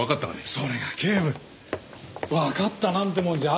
それが警部わかったなんてもんじゃありませんよ。